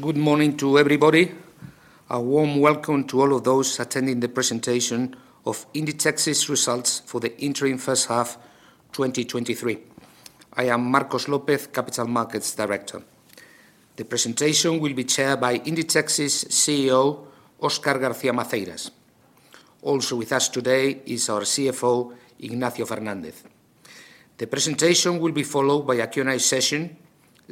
Good morning to everybody. A warm welcome to all of those attending the presentation of Inditex's results for the interim H1 2023. I am Marcos López, Capital Markets Director. The presentation will be chaired by Inditex's CEO, Óscar García Maceiras. Also with us today is our CFO, Ignacio Fernández. The presentation will be followed by a Q&A session,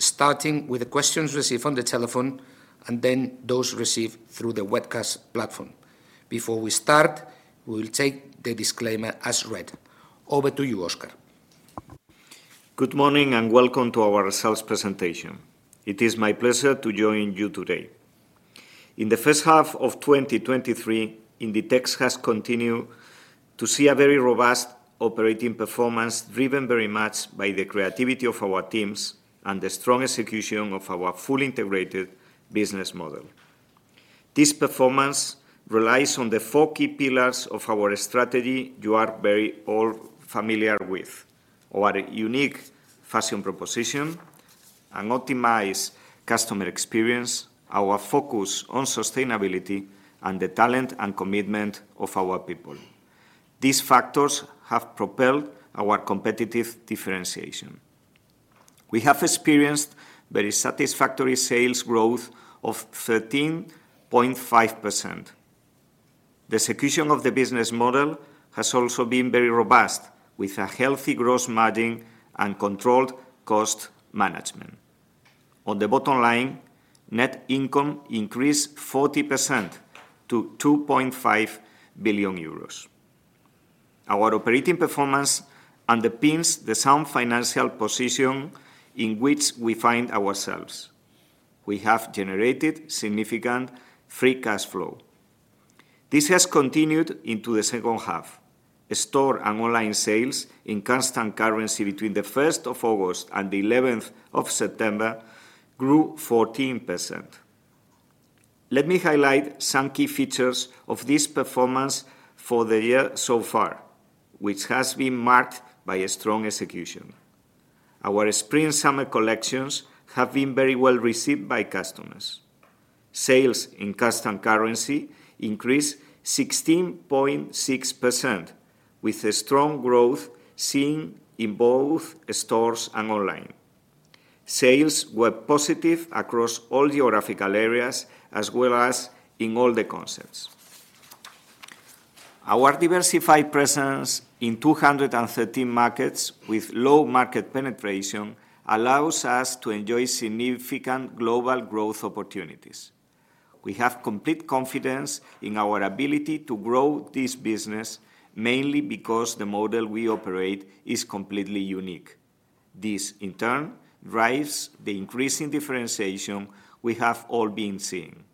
starting with the questions received on the telephone and then those received through the webcast platform. Before we start, we will take the disclaimer as read. Over to you, Óscar. Good morning, and welcome to our results presentation. It is my pleasure to join you today. In the H1 of 2023, Inditex has continued to see a very robust operating performance, driven very much by the creativity of our teams and the strong execution of our fully integrated business model. This performance relies on the four key pillars of our strategy you are very all familiar with: our unique fashion proposition, an optimized customer experience, our focus on sustainability, and the talent and commitment of our people. These factors have propelled our competitive differentiation. We have experienced very satisfactory sales growth of 13.5%. The execution of the business model has also been very robust, with a healthy gross margin and controlled cost management. On the bottom line, net income increased 40% to 2.5 billion euros. Our operating performance underpins the sound financial position in which we find ourselves. We have generated significant free cash flow. This has continued into the H2. Store and online sales in constant currency between the August 1st and the September 11th grew 14%. Let me highlight some key features of this performance for the year so far, which has been marked by a strong execution. Our Spring/Summer collections have been very well received by customers. Sales in constant currency increased 16.6%, with strong growth seen in both stores and online. Sales were positive across all geographical areas, as well as in all the concepts. Our diversified presence in 213 markets with low market penetration allows us to enjoy significant global growth opportunities. We have complete confidence in our ability to grow this business, mainly because the model we operate is completely unique. This, in turn, drives the increasing differentiation we have all been seeing.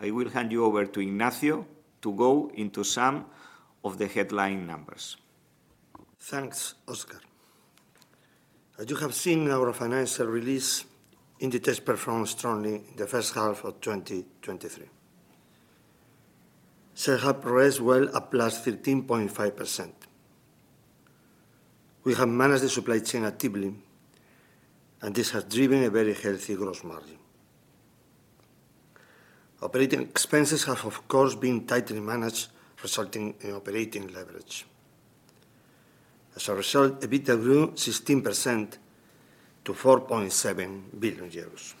I will hand you over to Ignacio to go into some of the headline numbers. Thanks, Óscar. As you have seen in our financial release, Inditex performed strongly in the H1 of 2023. Sales have progressed well, at +13.5%. We have managed the supply chain actively, and this has driven a very healthy gross margin. Operating expenses have, of course, been tightly managed, resulting in operating leverage. As a result, EBITDA grew 16% to 4.7 billion euros.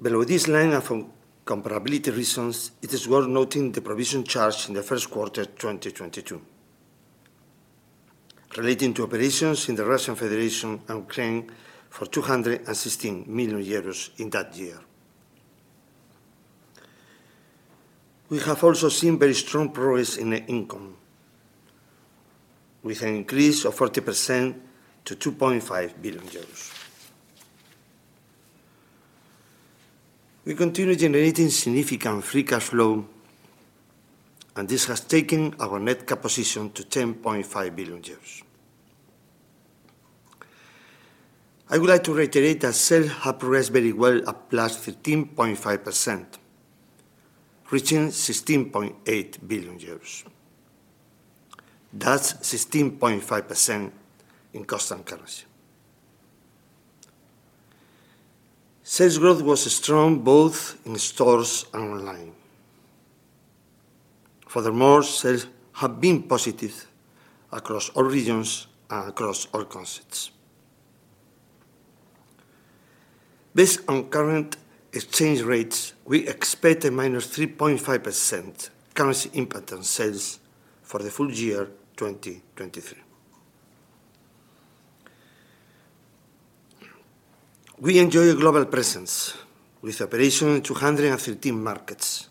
Below this line, and for comparability reasons, it is worth noting the provision charge in the Q1, 2022, relating to operations in the Russian Federation and Ukraine for 216 million euros in that year. We have also seen very strong progress in net income, with an increase of 40% to 2.5 billion euros. We continue generating significant free cash flow, and this has taken our net cash position to 10.5 billion. I would like to reiterate that sales have progressed very well at +13.5%, reaching EUR 16.8 billion. That's 16.5% in constant currency. Sales growth was strong both in stores and online. Furthermore, sales have been positive across all regions and across all concepts. Based on current exchange rates, we expect a -3.5% currency impact on sales for the full year 2023. We enjoy a global presence, with operations in 213 markets,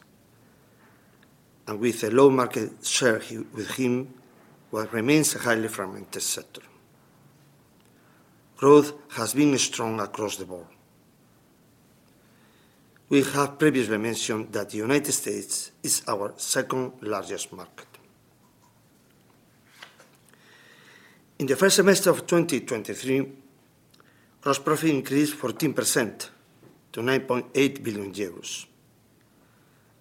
and with a low market share in what remains a highly fragmented sector. Growth has been strong across the board. We have previously mentioned that the United States is our second-largest market. In the first semester of 2023, gross profit increased 14% to 9.8 billion euros,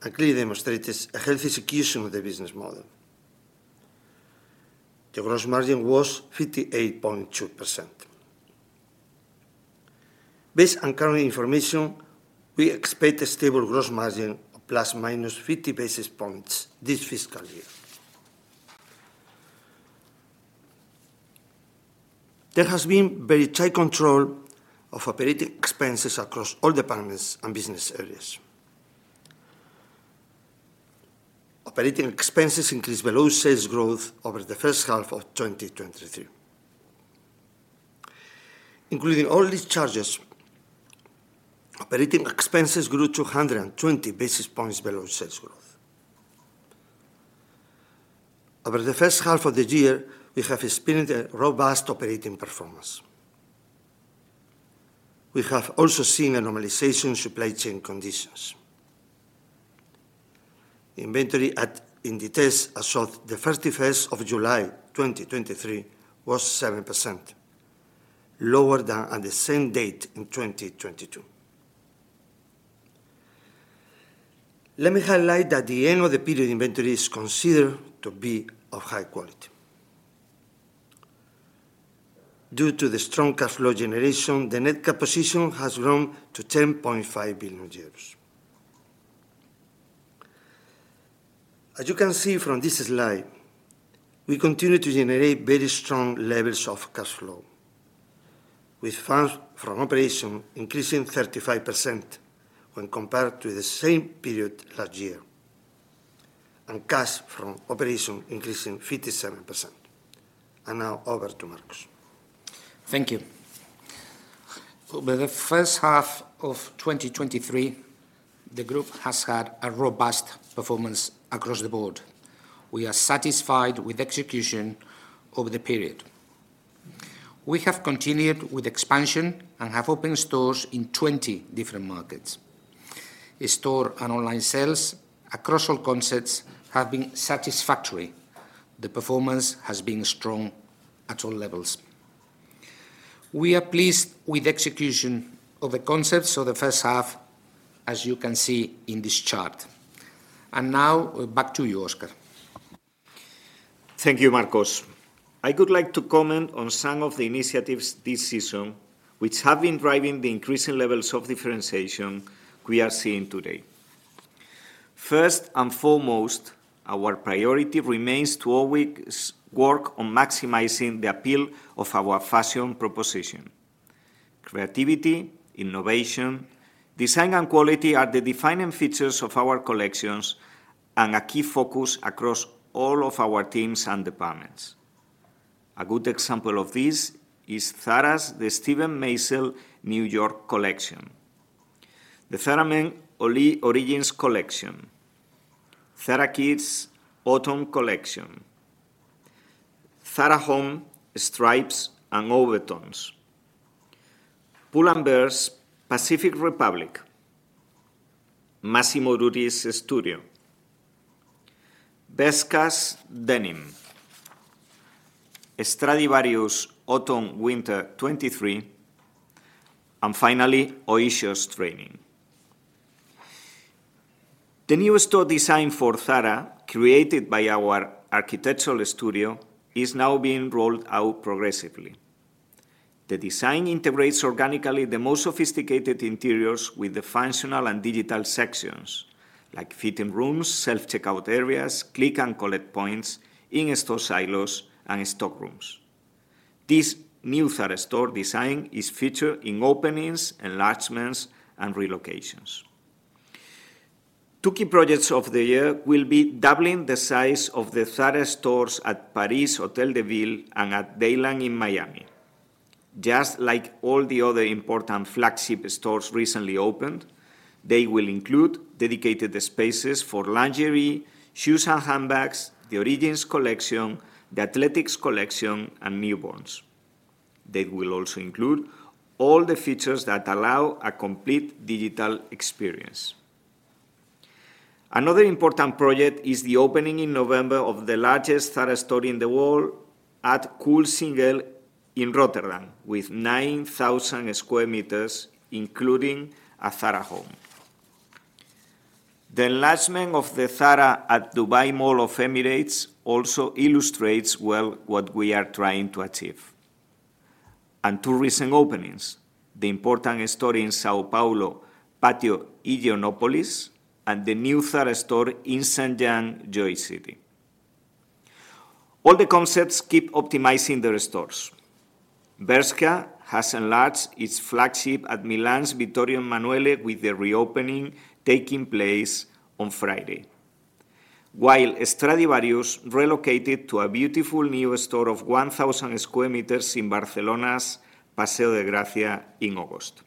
and clearly demonstrates a healthy execution of the business model the gross margin was 58.2%. Based on current information, we expect a stable gross margin of ±50 basis points this FY 2023. There has been very tight control of operating expenses across all departments and business areas. Operating expenses increased below sales growth over the H1 of 2023. Including all these charges, operating expenses grew 220 basis points below sales growth. Over the H1 of the year, we have experienced a robust operating performance. We have also seen a normalization in supply chain conditions. Inventory at Inditex as of July 31st 2023, was 7% lower than at the same date in 2022. Let me highlight that the end of the period inventory is considered to be of high quality. Due to the strong cash flow generation, the net cash position has grown to 10.5 billion euros. As you can see from this slide, we continue to generate very strong levels of cash flow, with funds from operation increasing 35% when compared to the same period last year, and cash from operation increasing 57%. And now, over to Marcos. Thank you. Over the H1 of 2023, the group has had a robust performance across the board. We are satisfied with execution over the period. We have continued with expansion and have opened stores in 20 different markets. Store and online sales across all concepts have been satisfactory. The performance has been strong at all levels. We are pleased with execution of the concepts of the H1, as you can see in this chart. Now, back to you, Óscar. Thank you, Marcos. I would like to comment on some of the initiatives this season which have been driving the increasing levels of differentiation we are seeing today. First and foremost, our priority remains to always work on maximizing the appeal of our fashion proposition. Creativity, innovation, design, and quality are the defining features of our collections and a key focus across all of our teams and departments. A good example of this is Zara's The Steven Meisel New York collection, the Zara Men Origins collection, Zara Kids autumn collection, Zara Home Stripes and Overtones, Pull&Bear's Pacific Republic, Massimo Dutti's Studio, Bershka's Denim, Stradivarius Autumn/Winter 2023, and finally, Oysho's Training. The new store design for Zara, created by our architectural studio, is now being rolled out progressively. The design integrates organically the most sophisticated interiors with the functional and digital sections, like fitting rooms, self-checkout areas, click-and-collect points, in-store silos, and stock rooms. This new Zara store design is featured in openings, enlargements, and relocations. Two key projects of the year will be doubling the size of the Zara stores at Paris' Hotel de Ville and at Bal Harbour in Miami. Just like all the other important flagship stores recently opened, they will include dedicated spaces for lingerie, shoes and handbags, the Origins collection, the Athletics collection, and newborns. They will also include all the features that allow a complete digital experience. Another important project is the opening in November of the largest Zara store in the world at Coolsingel in Rotterdam, with 9,000 square meters, including a Zara Home. The enlargement of the Zara at Dubai Mall of Emirates also illustrates well what we are trying to achieve. Two recent openings: the important store in São Paulo, Patio Higienópolis, and the new Zara store in Shenzhen Joy City. All the concepts keep optimizing their stores. Bershka has enlarged its flagship at Milan's Vittorio Emanuele, with the reopening taking place on Friday, while Stradivarius relocated to a beautiful new store of 1,000 square meters in Barcelona's Paseo de Gracia in August.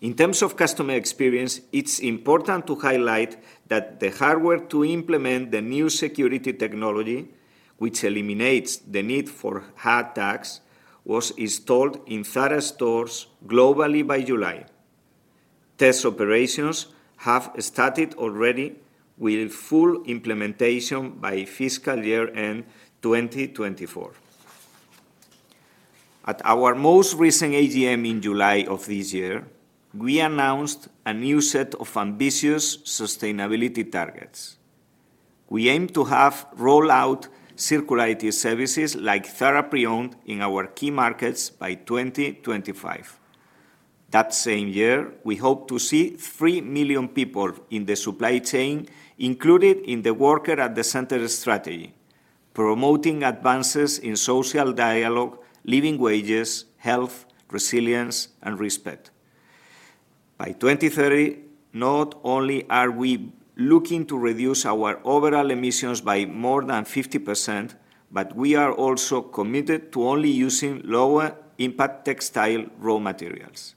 In terms of customer experience, it's important to highlight that the hardware to implement the new security technology, which eliminates the need for hard tags, was installed in Zara stores globally by July. Test operations have started already, full implementation by FY 2023 end, 2024. At our most recent AGM in July of this year, we announced a new set of ambitious sustainability targets. We aim to have rolled out circularity services like Zara Pre-Owned in our key markets by 2025. That same year, we hope to see 3 million people in the supply chain included in the Worker at the Center strategy, promoting advances in social dialogue, living wages, health, resilience, and respect. By 2030, not only are we looking to reduce our overall emissions by more than 50%, but we are also committed to only using lower impact textile raw materials.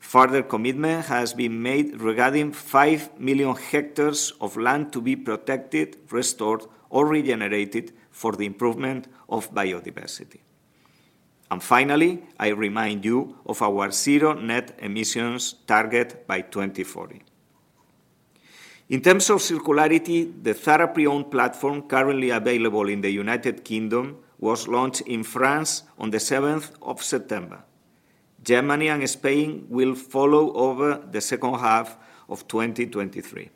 Further commitment has been made regarding 5 million hectares of land to be protected, restored, or regenerated for the improvement of biodiversity. And finally, I remind you of our zero net emissions target by 2040. In terms of circularity, the Zara Pre-Owned platform, currently available in the United Kingdom, was launched in France on September 7th. Germany and Spain will follow over the H2 of 2023.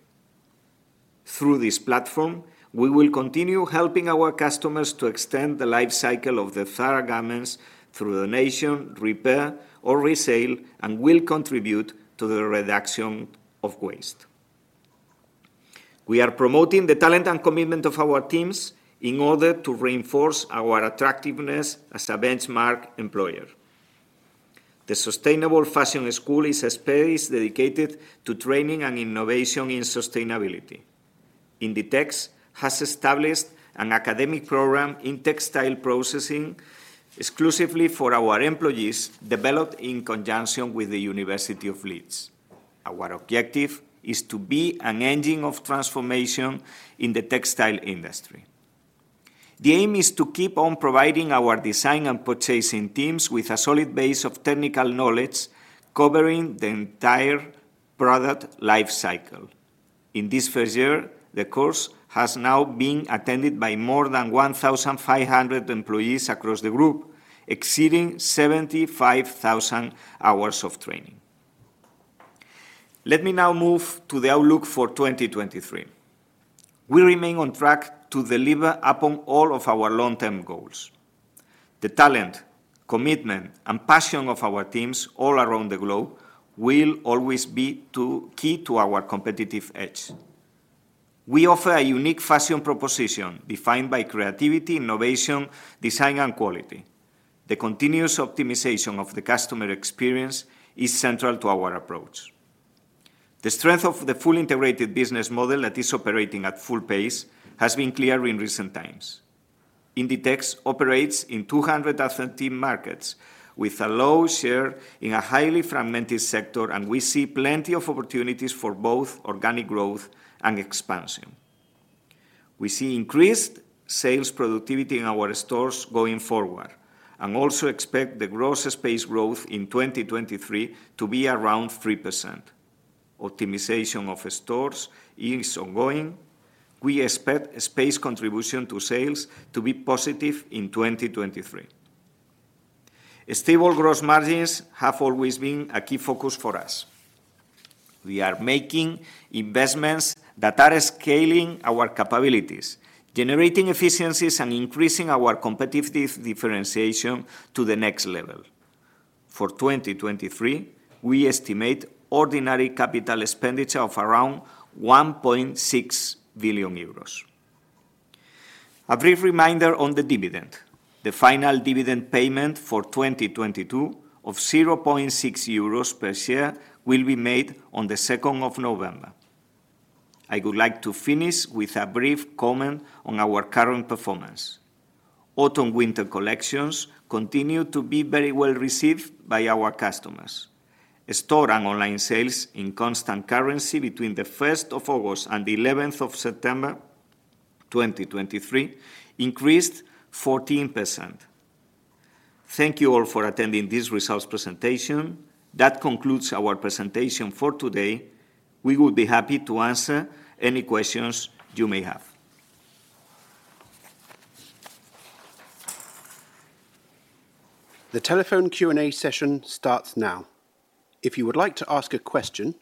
Through this platform, we will continue helping our customers to extend the life cycle of their Zara garments through donation, repair, or resale, and will contribute to the reduction of waste. We are promoting the talent and commitment of our teams in order to reinforce our attractiveness as a benchmark employer. The Sustainable Fashion School is a space dedicated to training and innovation in sustainability. Inditex has established an academic program in textile processing exclusively for our employees, developed in conjunction with the University of Leeds. Our objective is to be an engine of transformation in the textile industry. The aim is to keep on providing our design and purchasing teams with a solid base of technical knowledge covering the entire product life cycle. In this first year, the course has now been attended by more than 1,500 employees across the group, exceeding 75,000 hours of training. Let me now move to the outlook for 2023. We remain on track to deliver upon all of our long-term goals. The talent, commitment, and passion of our teams all around the globe will always be to, key to our competitive edge. We offer a unique fashion proposition defined by creativity, innovation, design, and quality. The continuous optimization of the customer experience is central to our approach. The strength of the fully integrated business model that is operating at full pace has been clear in recent times. Inditex operates in 270 markets, with a low share in a highly fragmented sector, and we see plenty of opportunities for both organic growth and expansion. We see increased sales productivity in our stores going forward and also expect the gross space growth in 2023 to be around 3%. Optimization of stores is ongoing. We expect space contribution to sales to be positive in 2023. Stable gross margins have always been a key focus for us. We are making investments that are scaling our capabilities, generating efficiencies, and increasing our competitive differentiation to the next level. For 2023, we estimate ordinary capital expenditure of around 1.6 billion euros. A brief reminder on the dividend. The final dividend payment for 2022, of 0.6 euros per share, will be made on the November 2nd. I would like to finish with a brief comment on our current performance. Autumn/winter collections continue to be very well received by our customers. Store and online sales in constant currency between the August 1st and the September 11th, 2023, increased 14%. Thank you all for attending this results presentation. That concludes our presentation for today. We will be happy to answer any questions you may have. The telephone Q&A session starts now. If you would like to ask a question,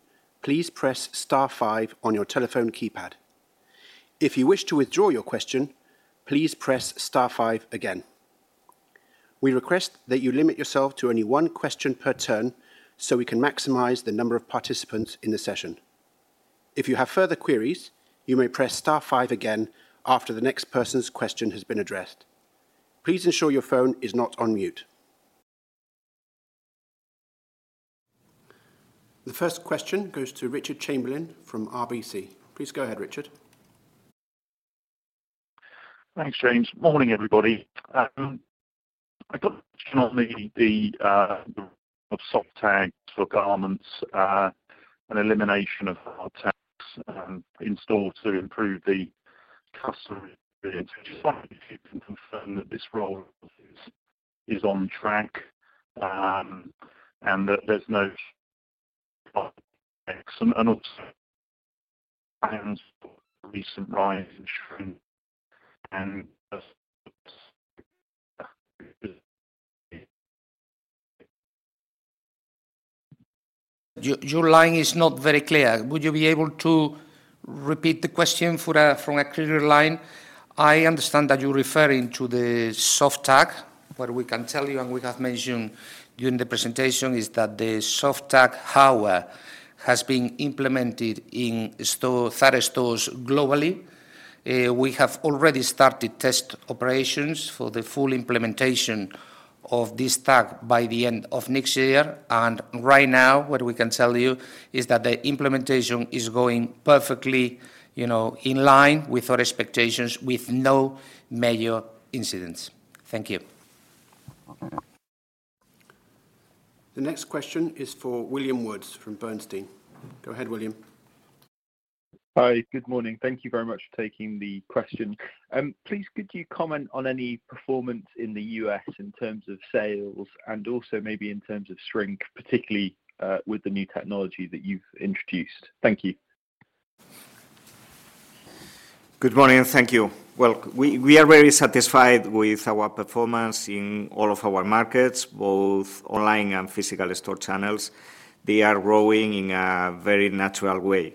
please press star five on your telephone keypad. If you wish to withdraw your question, please press star five again. We request that you limit yourself to only one question per turn, so we can maximize the number of participants in the session. If you have further queries, you may press star five again after the next person's question has been addressed. Please ensure your phone is not on mute. The first question goes to Richard Chamberlain from RBC. Please go ahead, Richard. Thanks, James. Morning, everybody. I got a question on the rollout of soft tags for garments and elimination of hard tags in-store to improve the customer experience. Just wondering if you can confirm that this rollout is on track, and that there's no... and also plans for the recent rise in shrink and Your line is not very clear. Would you be able to repeat the question from a clearer line? I understand that you're referring to the soft tag. What we can tell you, and we have mentioned during the presentation, is that the soft tag, however, has been implemented in Zara stores globally. We have already started test operations for the full implementation of this tag by the end of next year. Right now, what we can tell you is that the implementation is going perfectly, you know, in line with our expectations, with no major incidents. Thank you. The next question is for William Woods from Bernstein. Go ahead, William. Hi, good morning. Thank you very much for taking the question. Please, could you comment on any performance in the U.S. in terms of sales and also maybe in terms of shrink, particularly, with the new technology that you've introduced? Thank you. Good morning, and thank you. Well, we, we are very satisfied with our performance in all of our markets, both online and physical store channels. They are growing in a very natural way.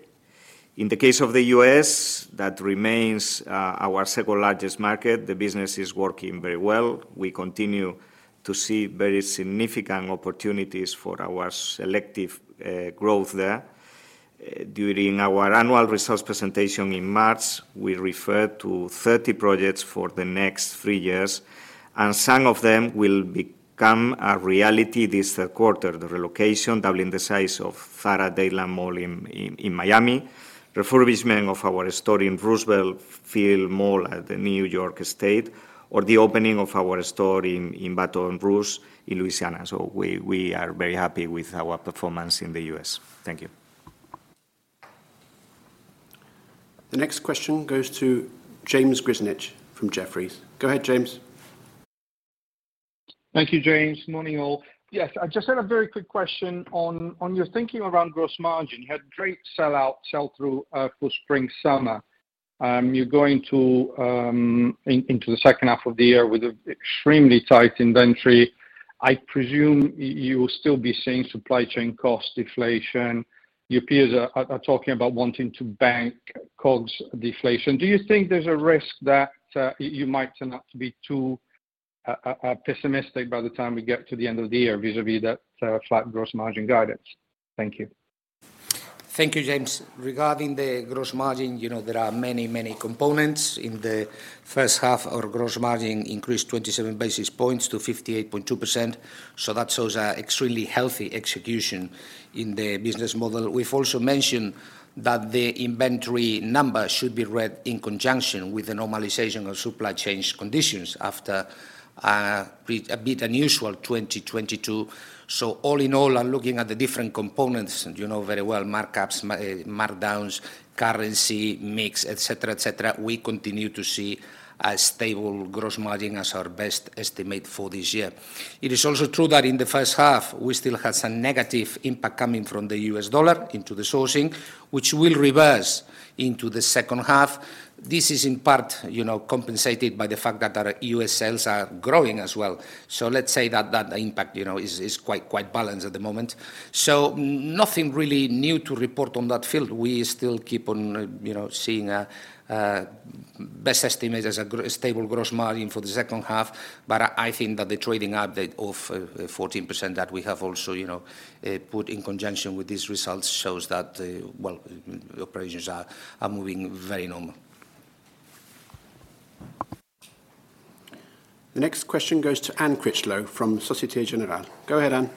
In the case of the U.S., that remains our second largest market. The business is working very well. We continue to see very significant opportunities for our selective growth there. During our annual resource presentation in March, we referred to 30 projects for the next 3 years, and some of them will become a reality this Q3. The relocation, doubling the size of Zara Dadeland Mall in Miami, refurbishment of our store in Roosevelt Field Mall at the New York State, or the opening of our store in Baton Rouge, in Louisiana. So we, we are very happy with our performance in the U.S. Thank you. The next question goes to James Grzinic from Jefferies. Go ahead, James. Thank you, James. Morning, all. Yes, I just had a very quick question on your thinking around gross margin. You had great sell-out, sell-through for spring, summer. You're going into the H2 of the year with an extremely tight inventory. I presume you will still be seeing supply chain cost deflation. Your peers are talking about wanting to bank COGS deflation. Do you think there's a risk that you might turn out to be too pessimistic by the time we get to the end of the year, vis-a-vis that flat gross margin guidance? Thank you. Thank you, James. Regarding the gross margin, you know, there are many, many components. In the H1, our gross margin increased 27 basis points to 58.2%, so that shows a extremely healthy execution in the business model. We've also mentioned that the inventory number should be read in conjunction with the normalization of supply chain conditions after a bit unusual 2022. So all in all, I'm looking at the different components, and you know very well, markups, markdowns, currency, mix, et cetera, et cetera. We continue to see a stable gross margin as our best estimate for this year. It is also true that in the H1, we still had some negative impact coming from the U.S. dollar into the sourcing, which will reverse into the H2. This is in part, you know, compensated by the fact that our U.S. sales are growing as well. So let's say that that impact, you know, is quite balanced at the moment. So nothing really new to report on that field. We still keep on, you know, seeing a best estimate as a stable gross margin for the H2, but I think that the trading update of 14% that we have also, you know, put in conjunction with these results shows that the, well, operations are moving very normal. The next question goes to Anne Critchlow from Société Générale. Go ahead, Anne.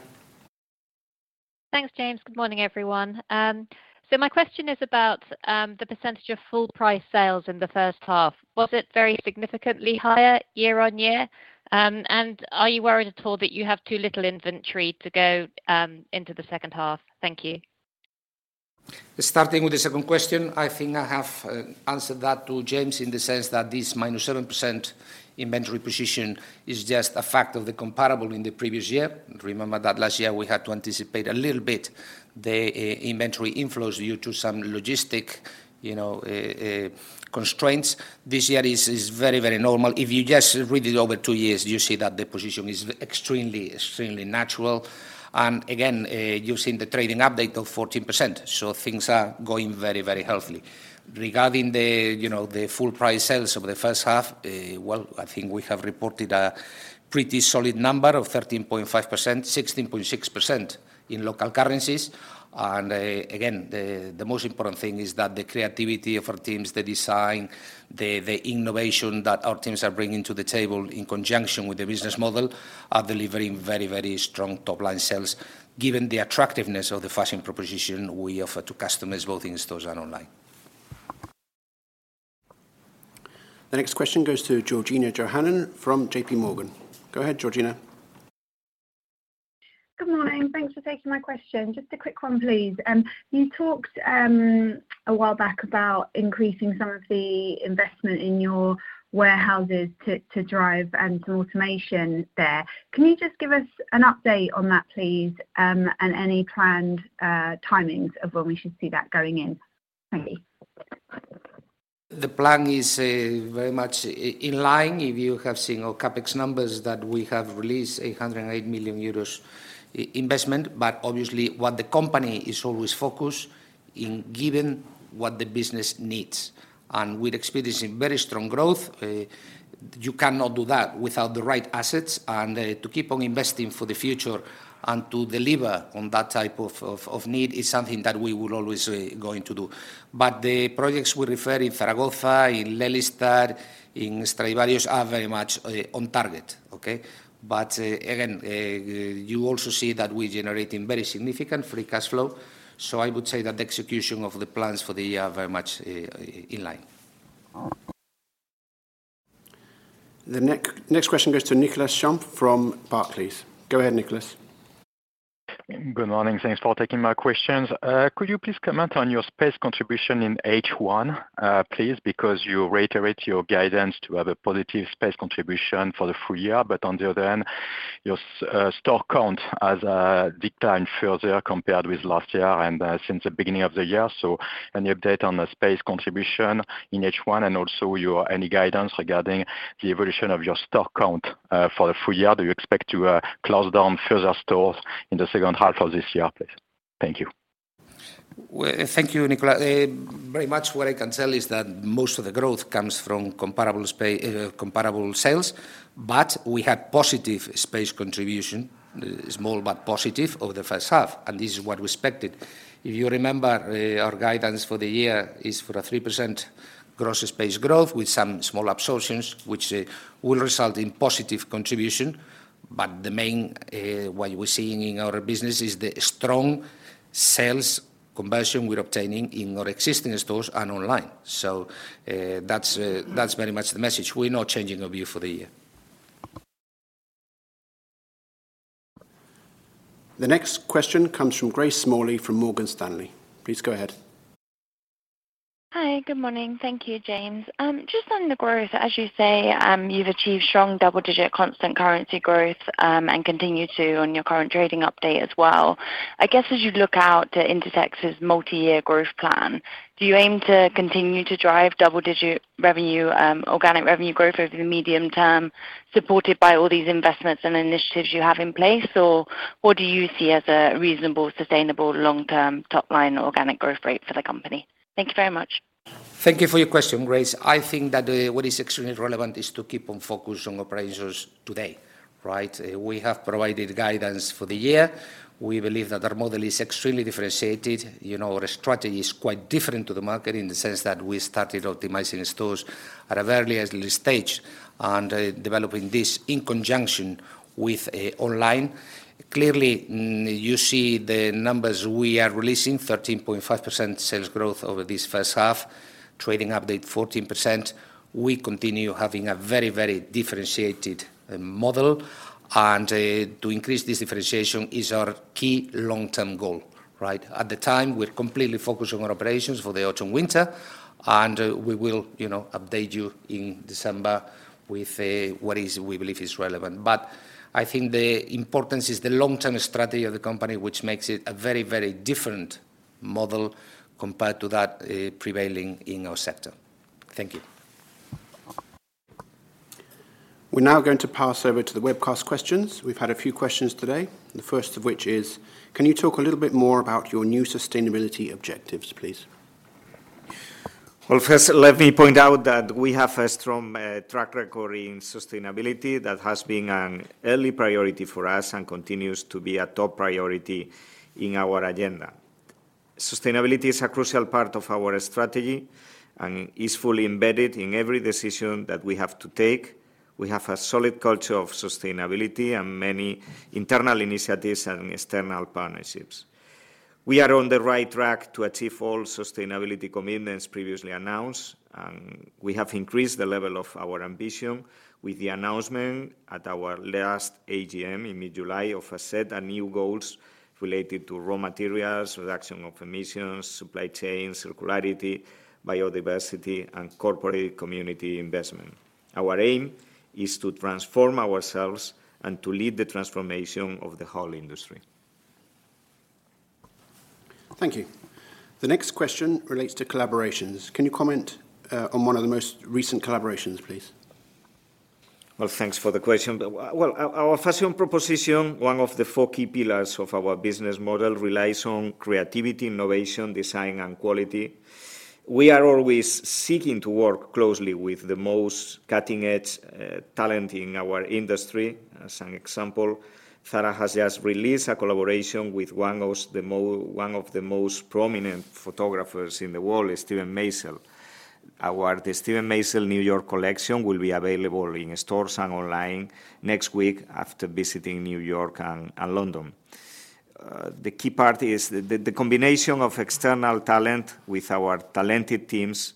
Thanks, James. Good morning, everyone. My question is about the percentage of full price sales in the H1. Was it very significantly higher year-on-year? Are you worried at all that you have too little inventory to go into the H2? Thank you. Starting with the second question, I think I have answered that to James in the sense that this -7% inventory position is just a fact of the comparable in the previous year. Remember that last year, we had to anticipate a little bit the inventory inflows due to some logistic, you know, constraints. This year is very, very normal. If you just read it over two years, you see that the position is extremely, extremely natural. And again, you've seen the trading update of 14%, so things are going very, very healthy. Regarding the, you know, the full price sales over the H1, well, I think we have reported a pretty solid number of 13.5%, 16.6% in local currencies. Again, the most important thing is that the creativity of our teams, the design, the innovation that our teams are bringing to the table in conjunction with the business model, are delivering very, very strong top-line sales, given the attractiveness of the fashion proposition we offer to customers, both in stores and online. The next question goes to Georgina Johannan from JPMorgan. Go ahead, Georgina. Good morning, and thanks for taking my question. Just a quick one, please. You talked a while back about increasing some of the investment in your warehouses to drive some automation there. Can you just give us an update on that, please, and any planned timings of when we should see that going in? Thank you. The plan is very much in line. If you have seen our CapEx numbers, that we have released 108 million euros investment. But obviously, what the company is always focused in giving what the business needs. And we're experiencing very strong growth. You cannot do that without the right assets, and to keep on investing for the future and to deliver on that type of need is something that we will always going to do. But the projects we refer, in Zaragoza, in Lelystad, in Stradivarius, are very much on target, okay? But again, you also see that we're generating very significant free cash flow, so I would say that the execution of the plans for the year are very much in line. The next, next question goes to Nicolas Champ from Barclays. Go ahead, Nicolas. Good morning. Thanks for taking my questions. Could you please comment on your space contribution in H1, please? Because you reiterate your guidance to have a positive space contribution for the full year, but on the other hand, your store count has declined further compared with last year and since the beginning of the year. So any update on the space contribution in H1, and also your any guidance regarding the evolution of your store count for the full year? Do you expect to close down further stores in the H2 of this year, please? Thank you. Well, thank you, Nicolas. Very much what I can tell is that most of the growth comes from comparable sales, but we had positive space contribution, small but positive, over the H1, and this is what we expected. If you remember, our guidance for the year is for a 3% gross space growth with some small absorptions, which will result in positive contribution. But the main what we're seeing in our business is the strong sales conversion we're obtaining in our existing stores and online. So, that's very much the message. We're not changing our view for the year. The next question comes from Grace Smalley from Morgan Stanley. Please go ahead. Hi, good morning. Thank you, James. Just on the growth, as you say, you've achieved strong double-digit constant currency growth, and continue to on your current trading update as well. I guess, as you look out to Inditex's multi-year growth plan, do you aim to continue to drive double-digit revenue, organic revenue growth over the medium term, supported by all these investments and initiatives you have in place? Or what do you see as a reasonable, sustainable, long-term topline organic growth rate for the company? Thank you very much. Thank you for your question, Grace. I think that, what is extremely relevant is to keep on focus on operations today, right? We have provided guidance for the year. We believe that our model is extremely differentiated. You know, our strategy is quite different to the market in the sense that we started optimizing stores at a very early stage and, developing this in conjunction with, online. Clearly, you see the numbers we are releasing, 13.5% sales growth over this H1, trading update 14%. We continue having a very, very differentiated, model, and, to increase this differentiation is our key long-term goal, right? At the time, we're completely focused on our operations for the autumn/winter, and, we will, you know, update you in December with, what is we believe is relevant. But I think the importance is the long-term strategy of the company, which makes it a very, very different model compared to that prevailing in our sector. Thank you. We're now going to pass over to the webcast questions. We've had a few questions today, the first of which is: Can you talk a little bit more about your new sustainability objectives, please? Well, first, let me point out that we have a strong track record in sustainability. That has been an early priority for us and continues to be a top priority in our agenda. Sustainability is a crucial part of our strategy and is fully embedded in every decision that we have to take. We have a solid culture of sustainability and many internal initiatives and external partnerships. We are on the right track to achieve all sustainability commitments previously announced, and we have increased the level of our ambition with the announcement at our last AGM in mid-July of a set of new goals related to raw materials, reduction of emissions, supply chain, circularity, biodiversity, and corporate community investment. Our aim is to transform ourselves and to lead the transformation of the whole industry. Thank you. The next question relates to collaborations. Can you comment on one of the most recent collaborations, please? Well, thanks for the question. Well, our fashion proposition, one of the four key pillars of our business model, relies on creativity, innovation, design, and quality. We are always seeking to work closely with the most cutting-edge talent in our industry. As an example, Zara has just released a collaboration with one of the most prominent photographers in the world, Steven Meisel. The Steven Meisel New York collection will be available in stores and online next week after visiting New York and London. The key part is the combination of external talent with our talented teams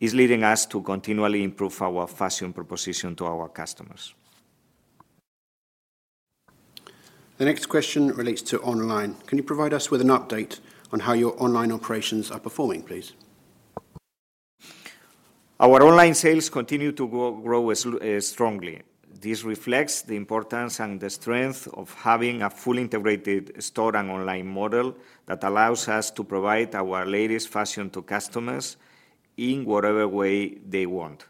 is leading us to continually improve our fashion proposition to our customers. The next question relates to online. Can you provide us with an update on how your online operations are performing, please? Our online sales continue to grow strongly. This reflects the importance and the strength of having a fully integrated store and online model that allows us to provide our latest fashion to customers in whatever way they want.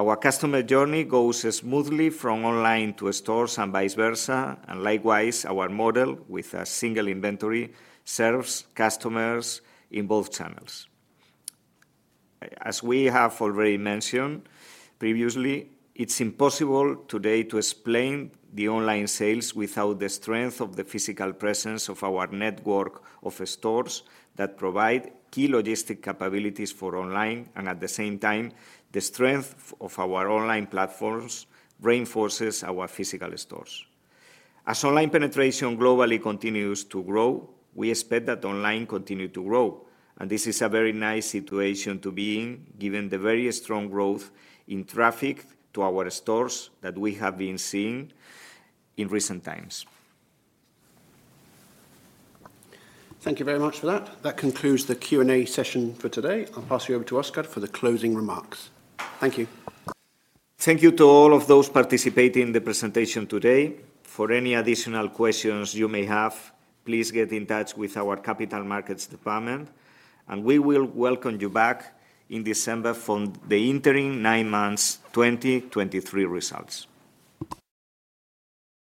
Our customer journey goes smoothly from online to stores and vice versa, and likewise, our model, with a single inventory, serves customers in both channels. As we have already mentioned previously, it's impossible today to explain the online sales without the strength of the physical presence of our network of stores that provide key logistics capabilities for online, and at the same time, the strength of our online platforms reinforces our physical stores. As online penetration globally continues to grow, we expect that online continue to grow, and this is a very nice situation to be in, given the very strong growth in traffic to our stores that we have been seeing in recent times. Thank you very much for that. That concludes the Q&A session for today. I'll pass you over to Óscar for the closing remarks. Thank you. Thank you to all of those participating in the presentation today. For any additional questions you may have, please get in touch with our capital markets department, and we will welcome you back in December for the interim nine months 2023 results.